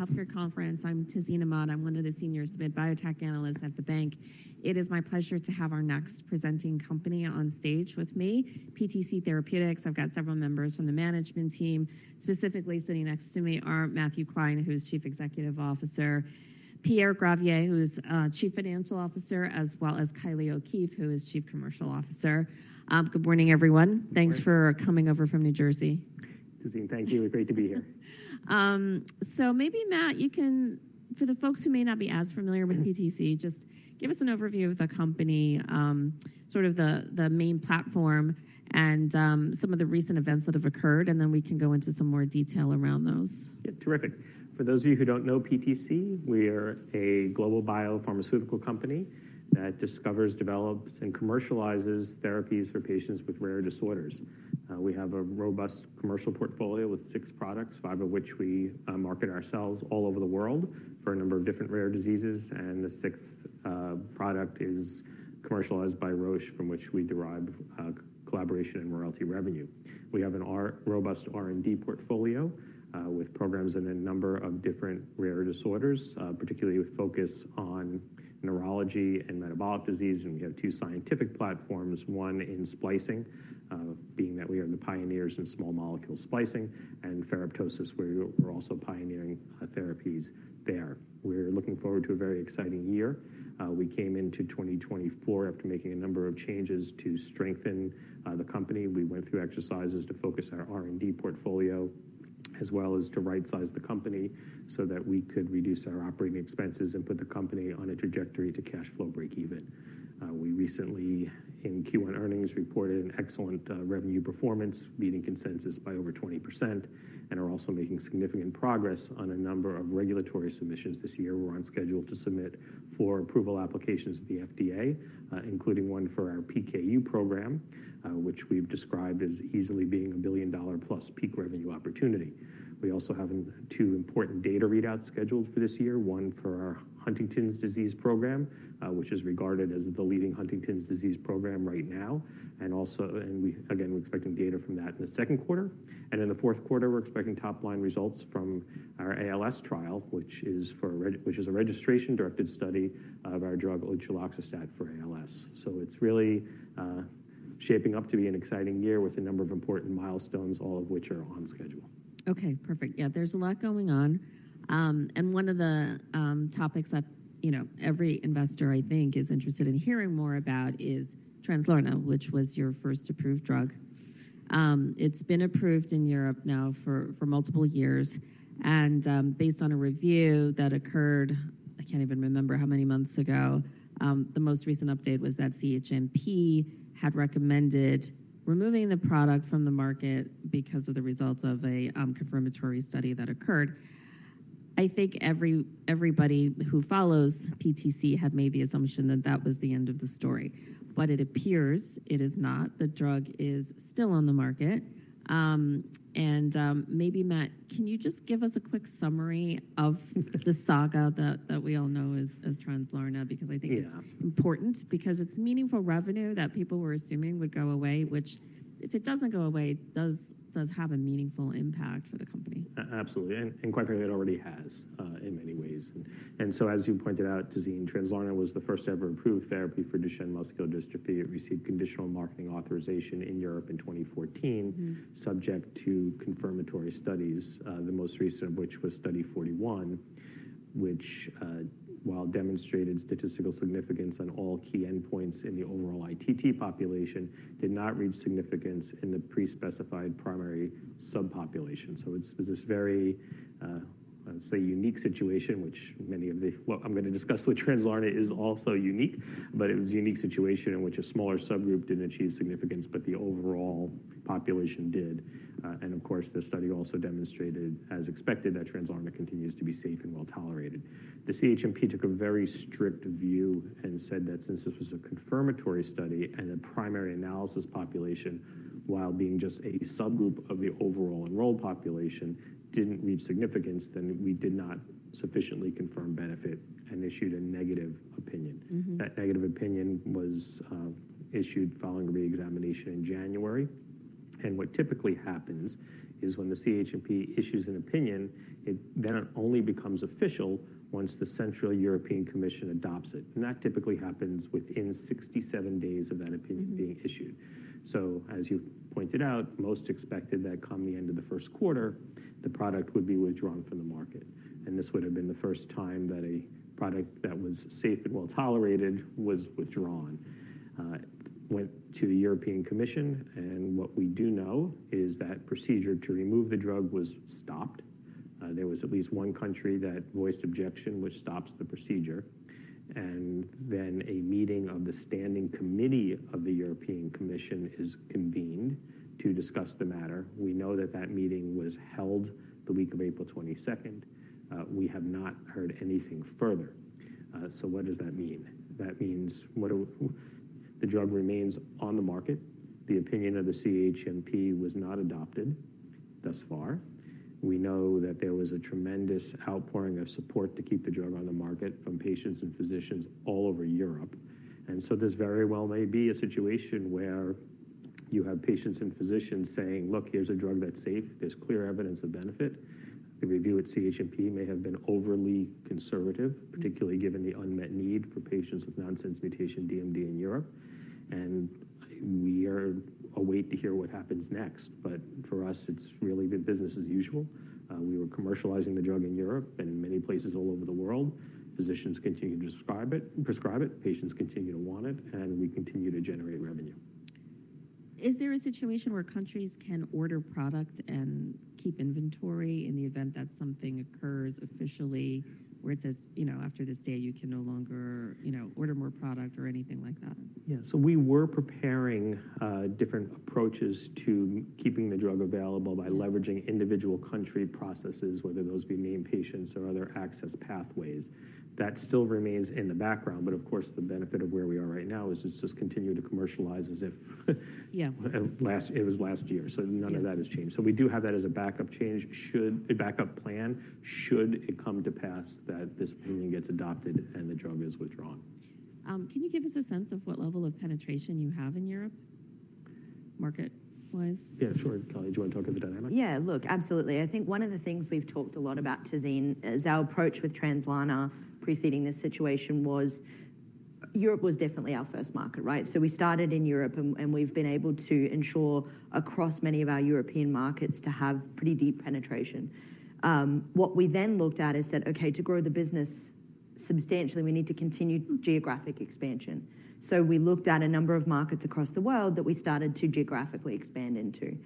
Healthcare Conference. I'm Tazeen Ahmad. I'm one of the senior mid-biotech analysts at the bank. It is my pleasure to have our next presenting company on stage with me, PTC Therapeutics. I've got several members from the management team. Specifically sitting next to me are Matthew Klein, who's Chief Executive Officer, Pierre Gravier, who's Chief Financial Officer, as well as Kylie O'Keefe, who is Chief Commercial Officer. Good morning, everyone. Good morning. Thanks for coming over from New Jersey. Tazeen, thank you. Great to be here. So maybe, Matt, you can, for the folks who may not be as familiar with PTC. Just give us an overview of the company, sort of the main platform and some of the recent events that have occurred, and then we can go into some more detail around those. Yeah, terrific. For those of you who don't know PTC, we are a global biopharmaceutical company that discovers, develops, and commercializes therapies for patients with rare disorders. We have a robust commercial portfolio with six products, five of which we market ourselves all over the world for a number of different rare diseases, and the sixth product is commercialized by Roche, from which we derive collaboration and royalty revenue. We have a robust R&D portfolio with programs in a number of different rare disorders, particularly with focus on neurology and metabolic disease. And we have two scientific platforms, one in splicing, being that we are the pioneers in small molecule splicing, and ferroptosis, where we're also pioneering therapies there. We're looking forward to a very exciting year. We came into 2024 after making a number of changes to strengthen the company. We went through exercises to focus our R&D portfolio, as well as to rightsize the company so that we could reduce our operating expenses and put the company on a trajectory to cash flow breakeven. We recently, in Q1 earnings, reported an excellent revenue performance, beating consensus by over 20%, and are also making significant progress on a number of regulatory submissions this year. We're on schedule to submit four approval applications to the FDA, including one for our PKU program, which we've described as easily being a billion-dollar-plus peak revenue opportunity. We also have two important data readouts scheduled for this year, one for our Huntington's disease program, which is regarded as the leading Huntington's disease program right now, and also. We, again, we're expecting data from that in the second quarter. In the fourth quarter, we're expecting top-line results from our ALS trial, which is a registration-directed study of our drug, utreloxastat, for ALS. So it's really shaping up to be an exciting year with a number of important milestones, all of which are on schedule. Okay, perfect. Yeah, there's a lot going on. And one of the topics that, you know, every investor, I think, is interested in hearing more about is Translarna, which was your first approved drug. It's been approved in Europe now for multiple years, and based on a review that occurred, I can't even remember how many months ago, the most recent update was that CHMP had recommended removing the product from the market because of the results of a confirmatory study that occurred. I think everybody who follows PTC had made the assumption that that was the end of the story. But it appears it is not. The drug is still on the market. And maybe, Matt, can you just give us a quick summary of the saga that we all know as Translarna? Yeah. Because I think it's important, because it's meaningful revenue that people were assuming would go away, which if it doesn't go away, does, does have a meaningful impact for the company. Absolutely, and quite frankly, it already has, in many ways. And so, as you pointed out, Tazeen, Translarna was the first-ever approved therapy for Duchenne muscular dystrophy. It received conditional marketing authorization in Europe in 2014. Subject to confirmatory studies, the most recent of which was Study 041, which, while demonstrated statistical significance on all key endpoints in the overall ITT population, did not reach significance in the pre-specified primary subpopulation. So it's this very, I'd say, unique situation, which many of the. Well, I'm going to discuss with Translarna is also unique, but it was a unique situation in which a smaller subgroup didn't achieve significance, but the overall population did. And of course, the study also demonstrated, as expected, that Translarna continues to be safe and well-tolerated. The CHMP took a very strict view and said that since this was a confirmatory study and the primary analysis population, while being just a subgroup of the overall enrolled population, didn't reach significance, then we did not sufficiently confirm benefit and issued a negative opinion. That negative opinion was issued following a reexamination in January. What typically happens is when the CHMP issues an opinion, it then only becomes official once the European Commission adopts it, and that typically happens within 67 days of that opinion. Being issued. So as you pointed out, most expected that come the end of the first quarter, the product would be withdrawn from the market, and this would've been the first time that a product that was safe and well-tolerated was withdrawn. It went to the European Commission, and what we do know is that procedure to remove the drug was stopped. There was at least one country that voiced objection, which stops the procedure. And then a meeting of the Standing Committee of the European Commission is convened to discuss the matter. We know that that meeting was held the week of April 22. We have not heard anything further. So what does that mean? That means what, the drug remains on the market. The opinion of the CHMP was not adopted thus far. We know that there was a tremendous outpouring of support to keep the drug on the market from patients and physicians all over Europe. So this very well may be a situation where you have patients and physicians saying, "Look, here's a drug that's safe. There's clear evidence of benefit." The review at CHMP may have been overly conservative, particularly given the unmet need for patients with nonsense mutation DMD in Europe. We are awaiting to hear what happens next. But for us, it's really been business as usual. We were commercializing the drug in Europe and many places all over the world. Physicians continue to prescribe it, patients continue to want it, and we continue to generate revenue. Is there a situation where countries can order product and keep inventory in the event that something occurs officially, where it says, you know, after this day, you can no longer, you know, order more product or anything like that? Yeah. So we were preparing different approaches to keeping the drug available by leveraging individual country processes, whether those be named patients or other access pathways. That still remains in the background, but of course, the benefit of where we are right now is just continue to commercialize as if. Yeah. Last, it was last year. Yeah. None of that has changed. We do have that as a backup plan, should it come to pass that this opinion gets adopted and the drug is withdrawn. Can you give us a sense of what level of penetration you have in Europe, market-wise? Yeah, sure. Kylie, do you want to talk of the dynamics? Yeah, look, absolutely. I think one of the things we've talked a lot about, Tazeen, is our approach with Translarna preceding this situation was, Europe was definitely our first market, right? So we started in Europe, and we've been able to ensure across many of our European markets to have pretty deep penetration. What we then looked at is said, "Okay, to grow the business substantially, we need to continue geographic expansion." So we looked at a number of markets across the world that we started to geographically expand into.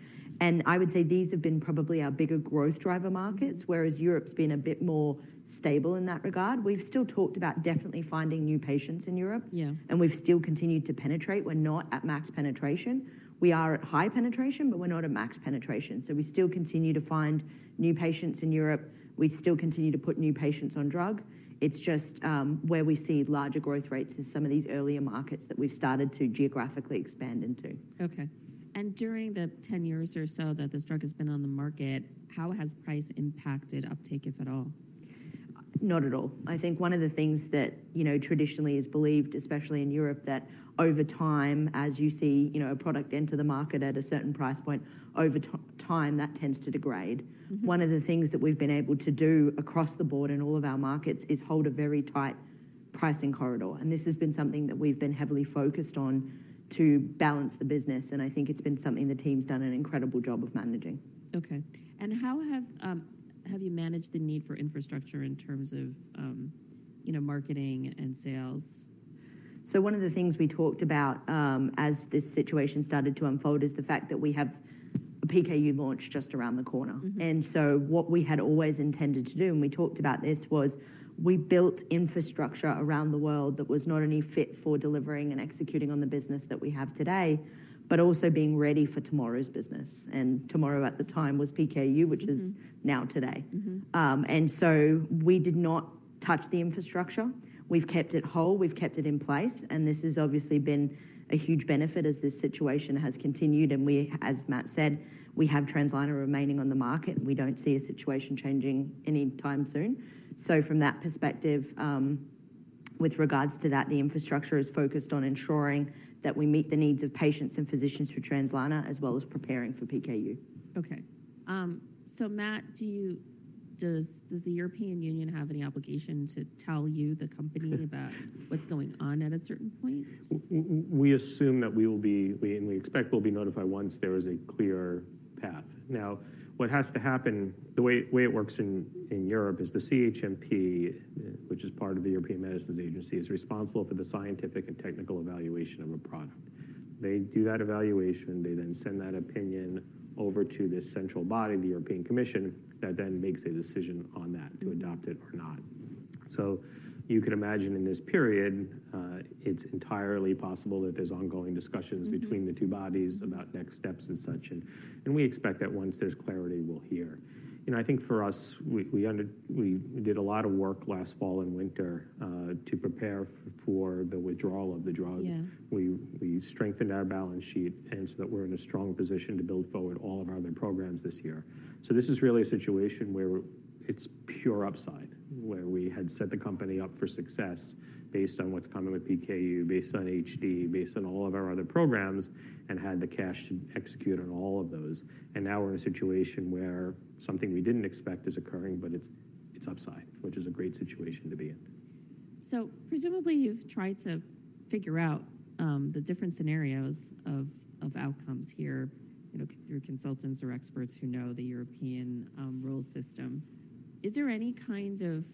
And I would say these have been probably our bigger growth driver markets, whereas Europe's been a bit more stable in that regard. We've still talked about definitely finding new patients in Europe. Yeah. We've still continued to penetrate. We're not at max penetration. We are at high penetration, but we're not at max penetration. We still continue to find new patients in Europe. We still continue to put new patients on drug. It's just where we see larger growth rates is some of these earlier markets that we've started to geographically expand into. Okay. During the 10 years or so that this drug has been on the market, how has price impacted uptake, if at all? Not at all. I think one of the things that, you know, traditionally is believed, especially in Europe, that over time, as you see, you know, a product enter the market at a certain price point, over time, that tends to degrade. One of the things that we've been able to do across the board in all of our markets is hold a very tight pricing corridor, and this has been something that we've been heavily focused on to balance the business, and I think it's been something the team's done an incredible job of managing. Okay. How have, have you managed the need for infrastructure in terms of, you know, marketing and sales? One of the things we talked about, as this situation started to unfold is the fact that we have a PKU launch just around the corner. And so what we had always intended to do, and we talked about this, was we built infrastructure around the world that was not only fit for delivering and executing on the business that we have today, but also being ready for tomorrow's business. And tomorrow at the time was PKU which is now today. And so we did not touch the infrastructure. We've kept it whole, we've kept it in place, and this has obviously been a huge benefit as this situation has continued, and we, as Matt said, we have Translarna remaining on the market, and we don't see a situation changing any time soon. So from that perspective, with regards to that, the infrastructure is focused on ensuring that we meet the needs of patients and physicians for Translarna, as well as preparing for PKU. Okay. So Matt, does the European Union have any obligation to tell you, the company, about what's going on at a certain point? We assume that we will be, and we expect we'll be notified once there is a clear path. Now, what has to happen, the way it works in Europe is the CHMP, which is part of the European Medicines Agency, is responsible for the scientific and technical evaluation of a product. They do that evaluation, they then send that opinion over to this central body, the European Commission, that then makes a decision on that. To adopt it or not. So you can imagine in this period, it's entirely possible that there's ongoing discussions- Between the two bodies about next steps and such, and we expect that once there's clarity, we'll hear. You know, I think for us, we did a lot of work last fall and winter to prepare for the withdrawal of the drug. Yeah. We strengthened our balance sheet and so that we're in a strong position to build forward all of our other programs this year. So this is really a situation where we're, it's pure upside, where we had set the company up for success based on what's coming with PKU, based on HD, based on all of our other programs, and had the cash to execute on all of those. And now we're in a situation where something we didn't expect is occurring, but it's upside, which is a great situation to be in. So presumably, you've tried to figure out the different scenarios of outcomes here, you know, through consultants or experts who know the European regulatory system. Is there any kind of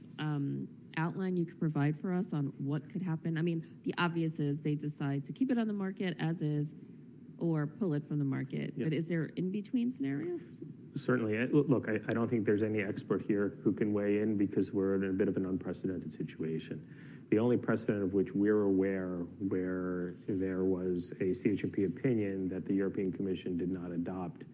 outline you could provide for us on what could happen? I mean, the obvious is they decide to keep it on the market as is or pull it from the market. But is there in-between scenarios? Certainly. Look, I don't think there's any expert here who can weigh in because we're in a bit of an unprecedented situation. The only precedent of which we're aware, where there was a CHMP opinion that the European Commission did not adopt,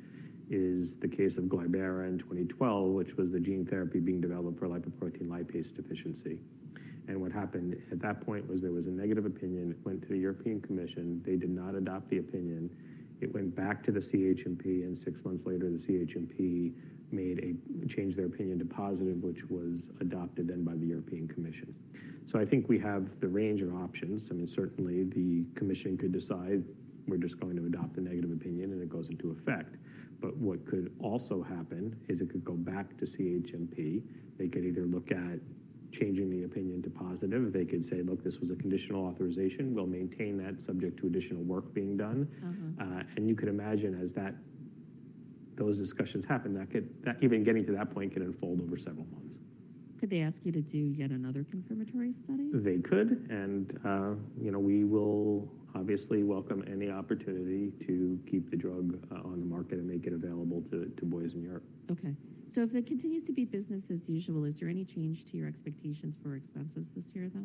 is the case of Glibera in 2012, which was the gene therapy being developed for lipoprotein lipase deficiency. What happened at that point was there was a negative opinion. It went to the European Commission. They did not adopt the opinion. It went back to the CHMP, and six months later, the CHMP changed their opinion to positive, which was adopted then by the European Commission. I think we have the range of options. I mean, certainly, the commission could decide we're just going to adopt a negative opinion, and it goes into effect. But what could also happen is it could go back to CHMP. They could either look at changing the opinion to positive. They could say: "Look, this was a conditional authorization. We'll maintain that subject to additional work being done. And you could imagine as those discussions happen, that even getting to that point could unfold over several months. Could they ask you to do yet another confirmatory study? They could, and you know, we will obviously welcome any opportunity to keep the drug on the market and make it available to boys in Europe. Okay. If there continues to be business as usual, is there any change to your expectations for expenses this year, though?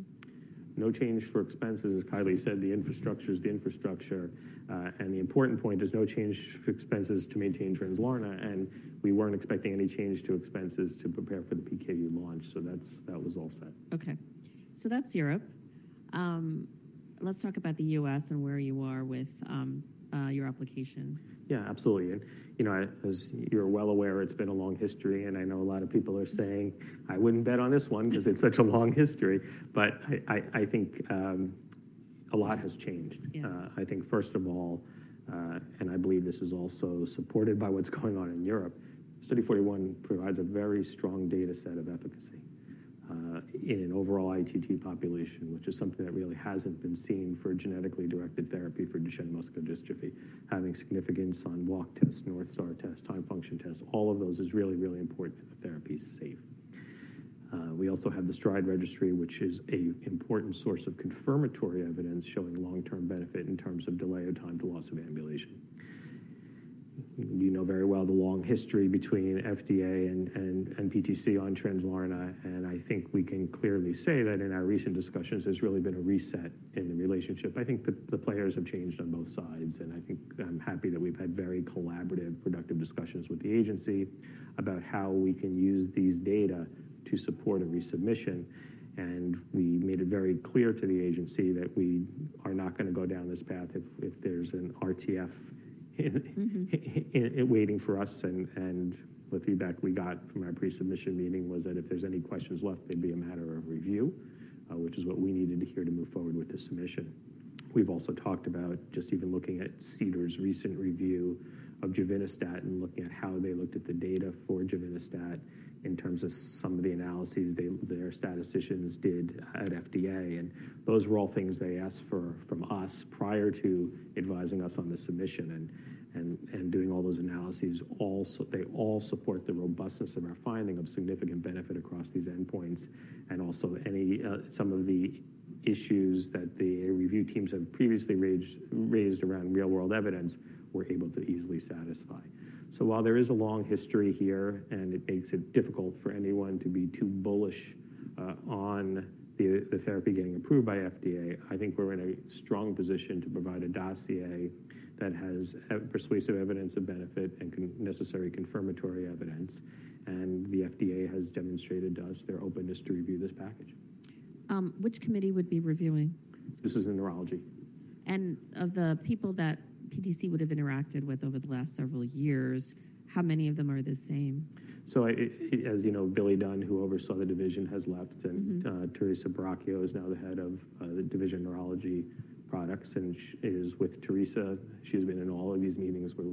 No change for expenses. As Kylie said, the infrastructure is the infrastructure, and the important point, there's no change for expenses to maintain Translarna, and we weren't expecting any change to expenses to prepare for the PKU launch. So that's, that was all set. Okay. So that's Europe. Let's talk about the U.S. and where you are with your application. Yeah, absolutely. You know, as you're well aware, it's been a long history, and I know a lot of people are saying, "I wouldn't bet on this one because it's such a long history." But I think a lot has changed. Yeah. I think first of all, and I believe this is also supported by what's going on in Europe, Study 041 provides a very strong data set of efficacy, in an overall ITT population, which is something that really hasn't been seen for a genetically directed therapy for Duchenne muscular dystrophy. Having significance on walk test, North Star test, time function test, all of those is really, really important that the therapy is safe. We also have the STRIDE registry, which is a important source of confirmatory evidence showing long-term benefit in terms of delay or time to loss of ambulation. You know very well the long history between FDA and, and, and PTC on Translarna, and I think we can clearly say that in our recent discussions, there's really been a reset in the relationship. I think the players have changed on both sides, and I think I'm happy that we've had very collaborative, productive discussions with the agency about how we can use these data to support a resubmission. And we made it very clear to the agency that we are not gonna go down this path if there's an RTF in. In waiting for us, and the feedback we got from our pre-submission meeting was that if there's any questions left, they'd be a matter of review, which is what we needed to hear to move forward with the submission. We've also talked about just even looking at CDER's recent review of givinostat and looking at how they looked at the data for givinostat in terms of some of the analyses their statisticians did at FDA. And those were all things they asked for from us prior to advising us on the submission and doing all those analyses. They all support the robustness of our finding of significant benefit across these endpoints, and also some of the issues that the review teams have previously raised around real-world evidence, we're able to easily satisfy. While there is a long history here, and it makes it difficult for anyone to be too bullish on the therapy getting approved by FDA, I think we're in a strong position to provide a dossier that has persuasive evidence of benefit and necessary confirmatory evidence, and the FDA has demonstrated to us their openness to review this package. Which committee would be reviewing? This is in neurology. Of the people that PTC would have interacted with over the last several years, how many of them are the same? So I, as you know, Billy Dunn, who oversaw the division, has left- Teresa Buracchio is now the head of the Division of Neurology Products, and she is with Teresa. She's been in all of these meetings where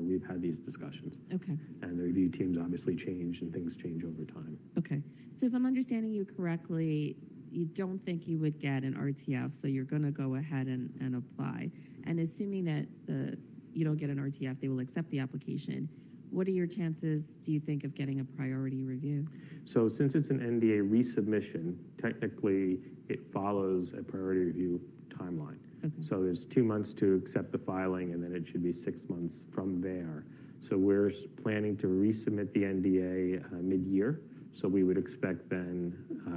we've had these discussions. Okay. The review teams obviously change, and things change over time. Okay. So if I'm understanding you correctly, you don't think you would get an RTF, so you're gonna go ahead and apply. And assuming that, you don't get an RTF, they will accept the application, what are your chances, do you think, of getting a priority review? Since it's an NDA resubmission, technically, it follows a priority review timeline. Okay. So there's two months to accept the filing, and then it should be six months from there. We're planning to resubmit the NDA mid-year. We would expect then,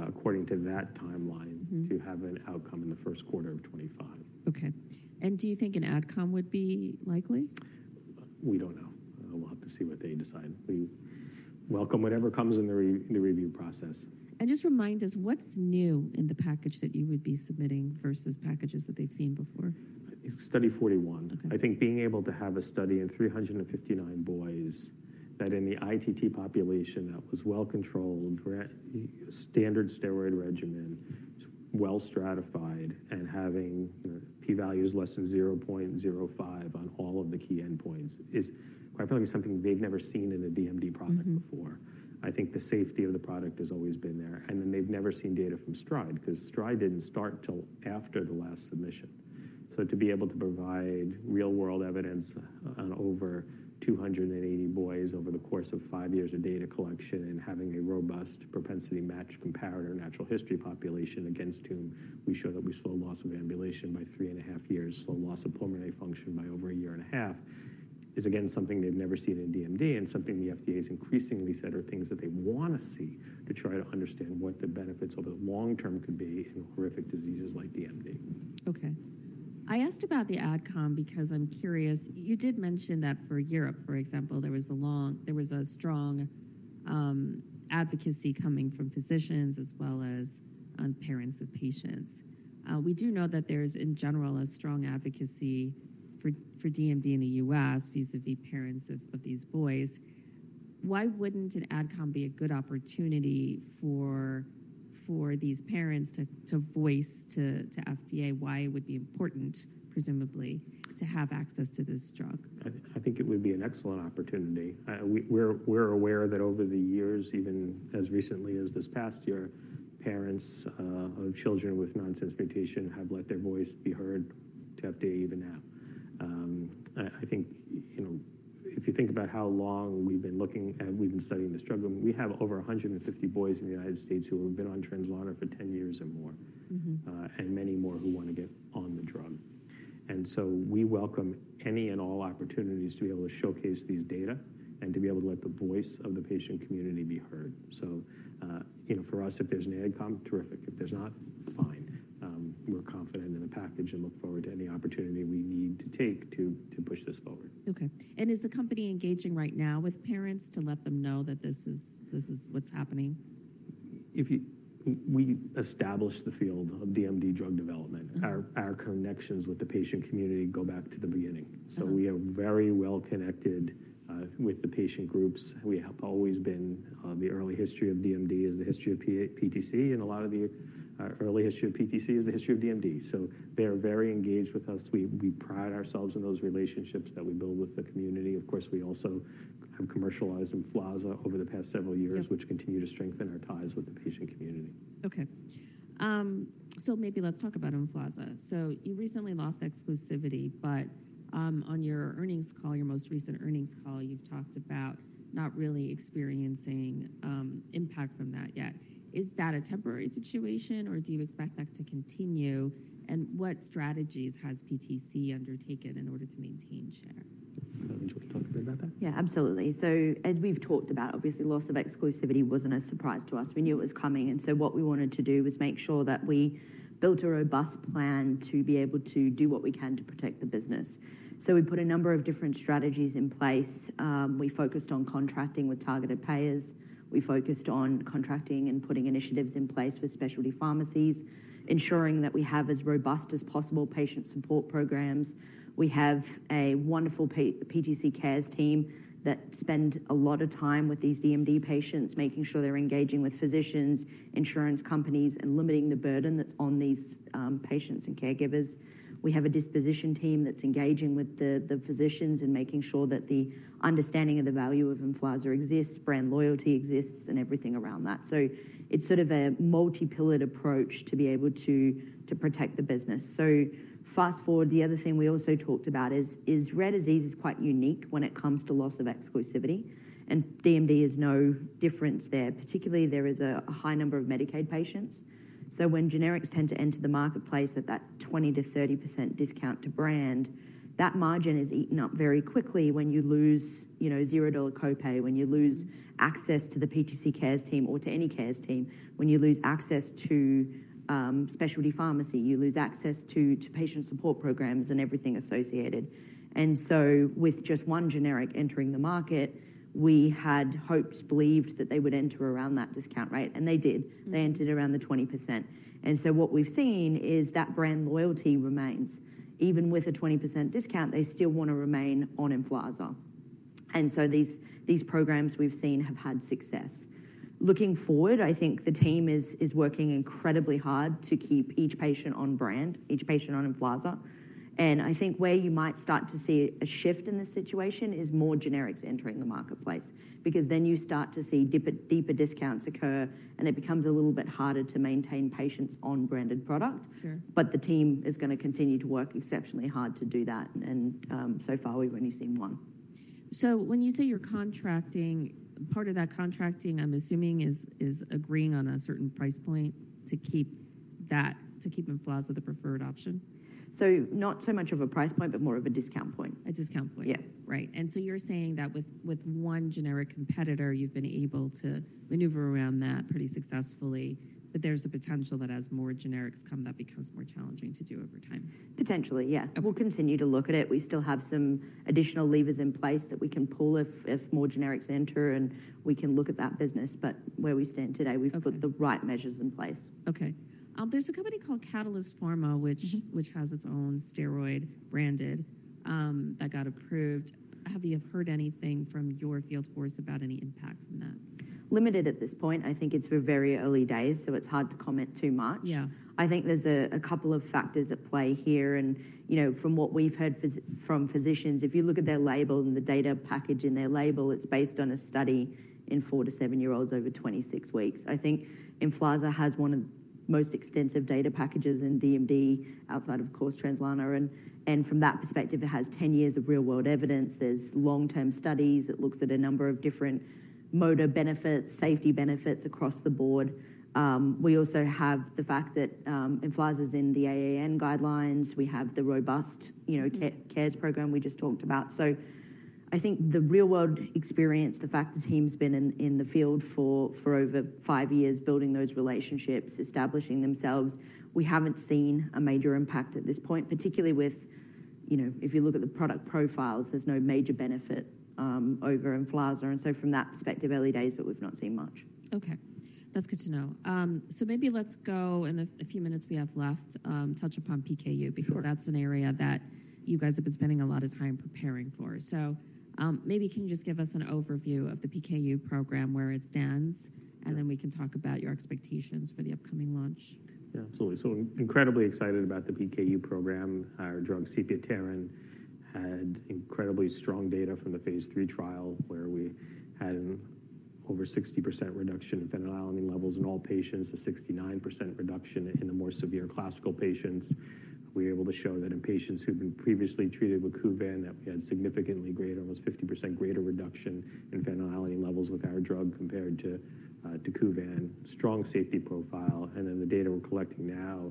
according to that timeline.to have an outcome in the first quarter of 2025. Okay. And do you think an AdCom would be likely? We don't know. We'll have to see what they decide. We welcome whatever comes in the review process. Just remind us, what's new in the package that you would be submitting versus packages that they've seen before? Study 041. Okay. I think being able to have a study in 359 boys, that in the ITT population, that was well controlled, standard steroid regimen, well stratified, and having P values less than 0.05 on all of the key endpoints, is quite frankly, something they've never seen in a DMD product before. I think the safety of the product has always been there, and then they've never seen data from STRIDE, because STRIDE didn't start till after the last submission. So to be able to provide real-world evidence on over 280 boys over the course of five years of data collection and having a robust propensity-matched comparator natural history population against whom we show that we slow loss of ambulation by three and a half years, slow loss of pulmonary function by over a year and a half, is again, something they've never seen in DMD and something the FDA's increasingly said are things that they wanna see to try to understand what the benefits over the long-term could be in horrific diseases like DMD. Okay. I asked about the AdCom because I'm curious. You did mention that for Europe, for example, there was a strong advocacy coming from physicians as well as parents of patients. We do know that there's, in general, a strong advocacy for DMD in the U.S. vis-à-vis parents of these boys. Why wouldn't an AdCom be a good opportunity for these parents to voice to FDA why it would be important, presumably, to have access to this drug? I think it would be an excellent opportunity. We're aware that over the years, even as recently as this past year, parents of children with nonsense mutation have let their voice be heard to have data even now. I think, you know, if you think about how long we've been looking at, we've been studying the struggle, we have over 150 boys in the United States who have been on Translarna for 10 years or more. And many more who want to get on the drug. So we welcome any and all opportunities to be able to showcase these data and to be able to let the voice of the patient community be heard. So, you know, for us, if there's an AdCom, terrific. If there's not, fine. We're confident in the package and look forward to any opportunity we need to take to, to push this forward. Okay. Is the company engaging right now with parents to let them know that this is, this is what's happening? We established the field of DMD drug development. Our connections with the patient community go back to the beginning. So we are very well connected with the patient groups. We have always been. The early history of DMD is the history of PTC, and a lot of the early history of PTC is the history of DMD. So they are very engaged with us. We pride ourselves on those relationships that we build with the community. Of course, we also have commercialized EMFLAZA over the past several years- which continue to strengthen our ties with the patient community. Okay. So maybe let's talk about EMFLAZA. So you recently lost exclusivity, but on your earnings call, your most recent earnings call, you've talked about not really experiencing impact from that yet. Is that a temporary situation, or do you expect that to continue? And what strategies has PTC undertaken in order to maintain share? Do you want to talk a bit about that? Yeah, absolutely. So as we've talked about, obviously loss of exclusivity wasn't a surprise to us. We knew it was coming, and so what we wanted to do was make sure that we built a robust plan to be able to do what we can to protect the business. So we put a number of different strategies in place. We focused on contracting with targeted payers. We focused on contracting and putting initiatives in place with specialty pharmacies, ensuring that we have as robust as possible patient support programs. We have a wonderful PTC Cares team that spend a lot of time with these DMD patients, making sure they're engaging with physicians, insurance companies, and limiting the burden that's on these patients and caregivers. We have a disposition team that's engaging with the physicians and making sure that the understanding of the value of EMFLAZA exists, brand loyalty exists, and everything around that. So it's sort of a multi-pillared approach to be able to protect the business. So fast-forward, the other thing we also talked about is rare disease is quite unique when it comes to loss of exclusivity, and DMD is no different there. Particularly, there is a high number of Medicaid patients. So when generics tend to enter the marketplace at that 20%-30% discount to brand, that margin is eaten up very quickly when you lose, you know, $0 copay, when you lose access to the PTC Cares team or to any cares team, when you lose access to specialty pharmacy, you lose access to patient support programs and everything associated. And so with just one generic entering the market, we had hopes, believed, that they would enter around that discount rate, and they did. They entered around the 20%. So what we've seen is that brand loyalty remains. Even with a 20% discount, they still want to remain on EMFLAZA, and so these, these programs we've seen have had success. Looking forward, I think the team is, is working incredibly hard to keep each patient on brand, each patient on EMFLAZA. I think where you might start to see a shift in this situation is more generics entering the marketplace, because then you start to see deeper, deeper discounts occur, and it becomes a little bit harder to maintain patients on branded product. Sure. The team is gonna continue to work exceptionally hard to do that, and so far, we've only seen one. So when you say you're contracting, part of that contracting, I'm assuming, is agreeing on a certain price point to keep that, to keep EMFLAZA the preferred option? Not so much of a price point, but more of a discount point. A discount point? Yeah. Right. And so you're saying that with one generic competitor, you've been able to maneuver around that pretty successfully, but there's a potential that as more generics come, that becomes more challenging to do over time? Potentially, yeah. Okay. We'll continue to look at it. We still have some additional levers in place that we can pull if, if more generics enter, and we can look at that business. But where we stand today we've got the right measures in place. Okay. There's a company called Catalyst Pharma, which, which has its own steroid branded, that got approved. Have you heard anything from your field force about any impact from that? Limited at this point. I think it's very early days, so it's hard to comment too much. Yeah. I think there's a couple of factors at play here, and, you know, from what we've heard from physicians, if you look at their label and the data package in their label, it's based on a study in four to seven-year olds over 26 weeks. I think EMFLAZA has one of the most extensive data packages in DMD, outside, of course, Translarna. And from that perspective, it has 10 years of real-world evidence. There's long-term studies. It looks at a number of different motor benefits, safety benefits across the board. We also have the fact that EMFLAZA's in the AAN guidelines. We have the robust, you know. Cares program we just talked about. So I think the real-world experience, the fact the team's been in the field for over five years, building those relationships, establishing themselves, we haven't seen a major impact at this point, particularly with, you know, if you look at the product profiles, there's no major benefit over EMFLAZA. And so from that perspective, early days, but we've not seen much. Okay. That's good to know. So maybe let's go, in the few minutes we have left, touch upon PKU. Sure Because that's an area that you guys have been spending a lot of time preparing for. So, maybe can you just give us an overview of the PKU program, where it stands? Then we can talk about your expectations for the upcoming launch. Yeah, absolutely. So incredibly excited about the PKU program. Our drug, sepiapterin, had incredibly strong data from the phase III trial, where we had over 60% reduction in phenylalanine levels in all patients, a 69% reduction in the more severe classical patients. We were able to show that in patients who've been previously treated with KUVAN, that we had significantly greater, almost 50% greater reduction in phenylalanine levels with our drug compared to KUVAN. Strong safety profile, and then the data we're collecting now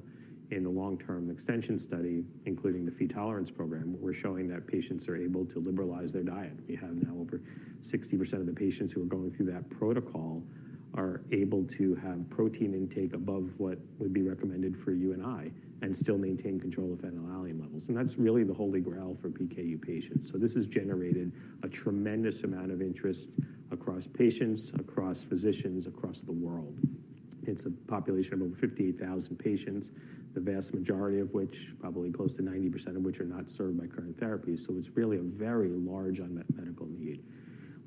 in the long-term extension study, including the Phe tolerance program, we're showing that patients are able to liberalize their diet. We have now over 60% of the patients who are going through that protocol are able to have protein intake above what would be recommended for you and I, and still maintain control of phenylalanine levels, and that's really the holy grail for PKU patients. So this has generated a tremendous amount of interest across patients, across physicians, across the world. It's a population of over 58,000 patients, the vast majority of which, probably close to 90% of which, are not served by current therapies. So it's really a very large unmet medical need.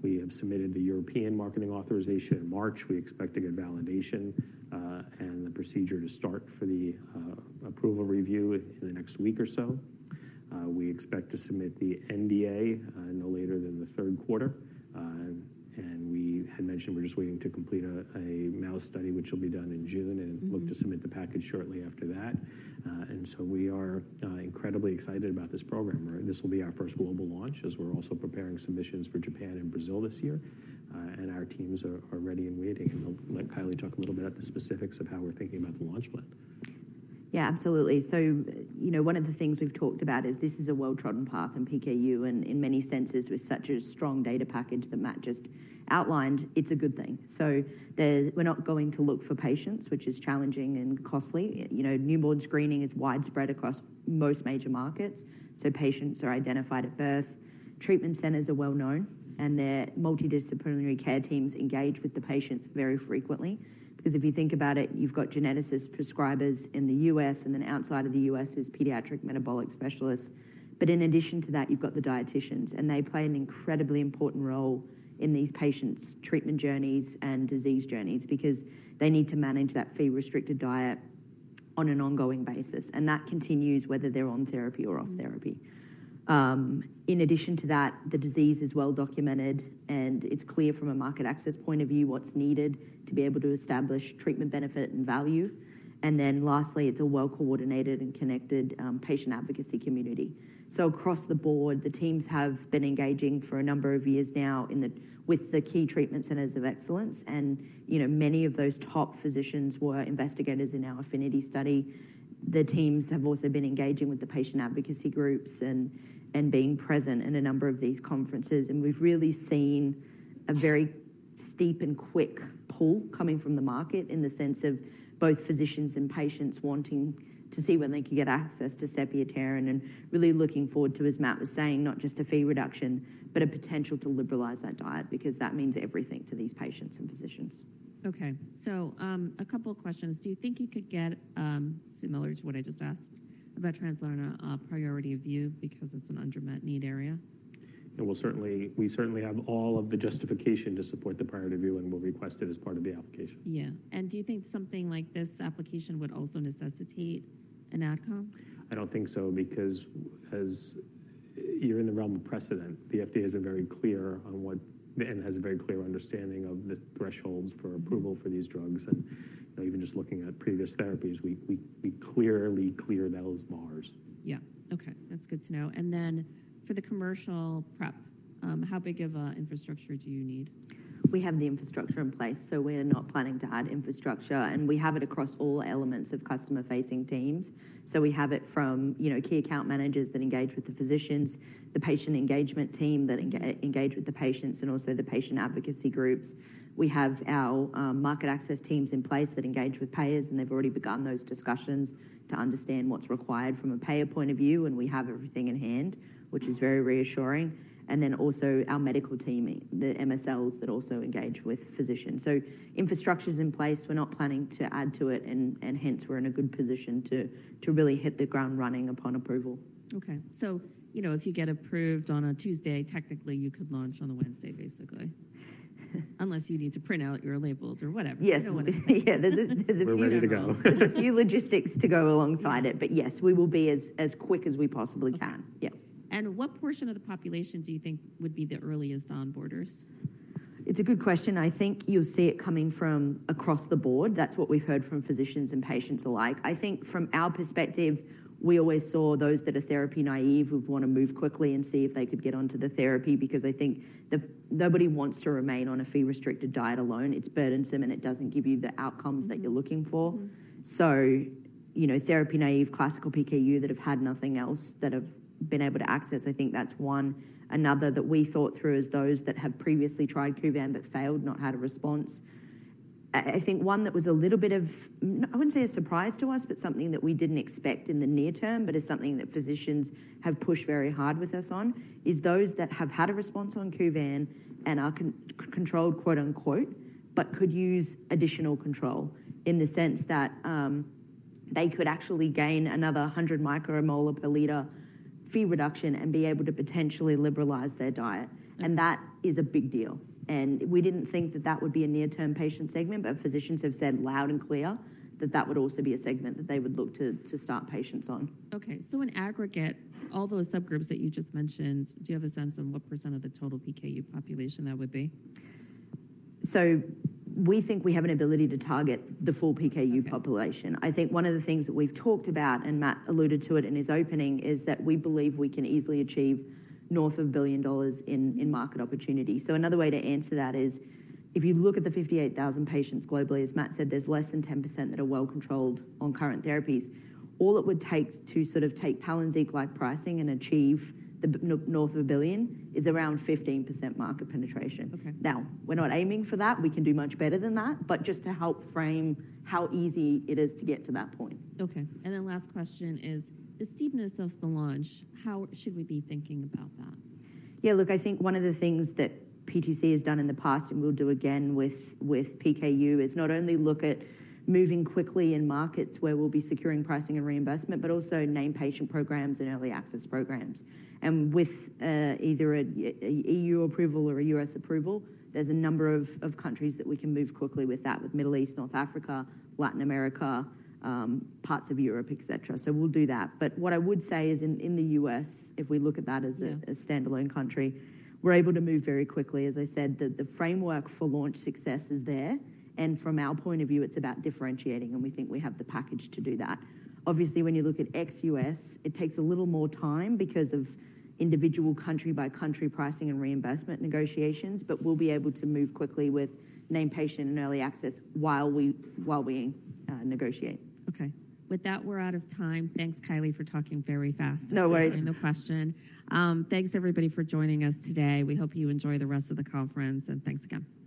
We have submitted the European marketing authorization in March. We expect to get validation, and the procedure to start for the, approval review in the next week or so. We expect to submit the NDA, no later than the third quarter. We had mentioned we're just waiting to complete a mouse study, which will be done in June, and. Look to submit the package shortly after that. And so we are incredibly excited about this program, right? This will be our first global launch, as we're also preparing submissions for Japan and Brazil this year. And our teams are ready and waiting, and I'll let Kylie talk a little bit about the specifics of how we're thinking about the launch plan. Yeah, absolutely. So you know, one of the things we've talked about is this is a well-trodden path in PKU, and in many senses, with such a strong data package that Matt just outlined, it's a good thing. So there's we're not going to look for patients, which is challenging and costly. You know, newborn screening is widespread across most major markets, so patients are identified at birth. Treatment centers are well known, and their multidisciplinary care teams engage with the patients very frequently. Because if you think about it, you've got geneticists, prescribers in the U.S., and then outside of the U.S. is pediatric metabolic specialists. But in addition to that, you've got the dieticians, and they play an incredibly important role in these patients' treatment journeys and disease journeys because they need to manage that Phe-restricted diet on an ongoing basis, and that continues whether they're on therapy or off therapy. In addition to that, the disease is well documented, and it's clear from a market access point of view, what's needed to be able to establish treatment benefit and value. And then lastly, it's a well-coordinated and connected patient advocacy community. So across the board, the teams have been engaging for a number of years now with the key treatment centers of excellence, and, you know, many of those top physicians were investigators in our APHENITY study. The teams have also been engaging with the patient advocacy groups and, being present in a number of these conferences, and we've really seen a very steep and quick pull coming from the market, in the sense of both physicians and patients wanting to see when they can get access to sepiapterin and really looking forward to, as Matt was saying, not just a Phe reduction, but a potential to liberalize that diet, because that means everything to these patients and physicians. Okay. So, a couple of questions. Do you think you could get, similar to what I just asked about Translarna, a priority review because it's an unmet need area? We certainly have all of the justification to support the priority review, and we'll request it as part of the application. Yeah. Do you think something like this application would also necessitate an outcome? I don't think so, because as you're in the realm of precedent, the FDA has been very clear on what and has a very clear understanding of the thresholds for approval for these drugs. You know, we clearly clear those bars. Yeah. Okay, that's good to know. And then for the commercial prep, how big of a infrastructure do you need? We have the infrastructure in place, so we're not planning to add infrastructure, and we have it across all elements of customer-facing teams. So we have it from, you know, key account managers that engage with the physicians, the patient engagement team that engage with the patients, and also the patient advocacy groups. We have our market access teams in place that engage with payers, and they've already begun those discussions to understand what's required from a payer point of view, and we have everything in hand. Which is very reassuring. And then also our medical team, the MSLs, that also engage with physicians. So infrastructure's in place, we're not planning to add to it, and hence we're in a good position to really hit the ground running upon approval. Okay. So, you know, if you get approved on a Tuesday, technically, you could launch on a Wednesday, basically. Unless you need to print out your labels or whatever. Yes. Yeah, there's a few. We're ready to go. There's a few logistics to go alongside it, but yes, we will be as quick as we possibly can. Okay. Yeah. What portion of the population do you think would be the earliest on onboarders? It's a good question. I think you'll see it coming from across the board. That's what we've heard from physicians and patients alike. I think from our perspective, we always saw those that are therapy naive, who want to move quickly and see if they could get onto the therapy because they think the nobody wants to remain on a Phe-restricted diet alone. It's burdensome, and it doesn't give you the outcomes that you're looking for. So, you know, therapy-naive, classical PKU, that have had nothing else, that have been able to access, I think that's one. Another that we thought through is those that have previously tried KUVAN but failed, not had a response. I, I think one that was a little bit of, not. I wouldn't say a surprise to us, but something that we didn't expect in the near term, but is something that physicians have pushed very hard with us on, is those that have had a response on KUVAN and are "controlled," quote-unquote, but could use additional control in the sense that, they could actually gain another 100 micromolar per liter Phe reduction and be able to potentially liberalize their diet. That is a big deal, and we didn't think that that would be a near-term patient segment, but physicians have said loud and clear that that would also be a segment that they would look to, to start patients on. Okay. So in aggregate, all those subgroups that you just mentioned, do you have a sense of what percentage of the total PKU population that would be? So we think we have an ability to target the full PKU population. I think one of the things that we've talked about, and Matt alluded to it in his opening, is that we believe we can easily achieve north of $1 billion in market opportunity. So another way to answer that is, if you look at the 58,000 patients globally, as Matt said, there's less than 10% that are well controlled on current therapies. All it would take to sort of take PALYNZIQ-like pricing and achieve north of $1 billion is around 15% market penetration. Okay. Now, we're not aiming for that. We can do much better than that, but just to help frame how easy it is to get to that point. Okay. And then last question is, the steepness of the launch, how should we be thinking about that? Yeah, look, I think one of the things that PTC has done in the past and will do again with PKU is not only look at moving quickly in markets where we'll be securing pricing and reimbursement, but also name patient programs and early access programs. And with either an E.U. approval or a U.S. approval, there's a number of countries that we can move quickly with that, with Middle East, North Africa, Latin America, parts of Europe, etc. So we'll do that. But what I would say is in the U.S., if we look at that as a. A standalone country, we're able to move very quickly. As I said, the framework for launch success is there, and from our point of view, it's about differentiating, and we think we have the package to do that. Obviously, when you look at ex-U.S., it takes a little more time because of individual country-by-country pricing and reimbursement negotiations, but we'll be able to move quickly with name patient and early access while we negotiate. Okay. With that, we're out of time. Thanks, Kylie, for talking very fast. No worries. Answered the question. Thanks everybody for joining us today. We hope you enjoy the rest of the conference, and thanks again. Thanks. Thanks.